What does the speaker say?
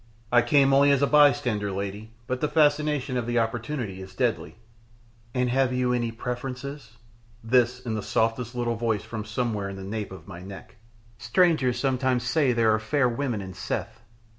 "I came only as a bystander, lady, but the fascination of the opportunity is deadly " "And have you any preference?" this in the softest little voice from somewhere in the nape of my neck. "Strangers sometimes say there are fair women in Seth."